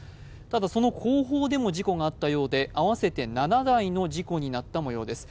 ただその後方でも事故があったようで、合わせて７台の事故になったようです。